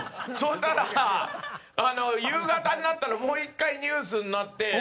そしたら夕方になったらもう１回ニュースになって。